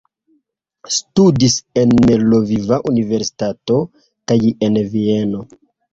Studis en Lviva Universitato kaj en Vieno.